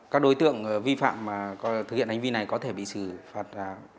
các đối tượng vi phạm mà thực hiện hành vi này có thể bị xử phạt là